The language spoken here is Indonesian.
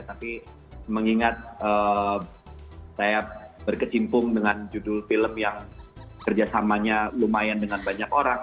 tapi mengingat saya berkecimpung dengan judul film yang kerjasamanya lumayan dengan banyak orang